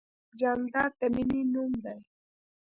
جانداد د مینې نوم دی.